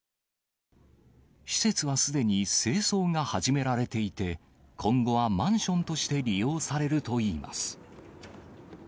施設はすでに清掃が始められていて、今後はマンションとして利用されるといいます。